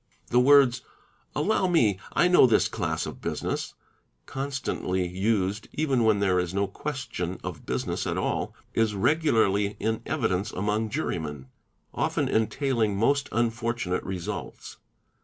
The by ords, " Allow me, I know this class of business,'' constantly used even ~ when there is no question of business at all, is regularly in evidence an ong jurymen, often entailing most unfortunate results.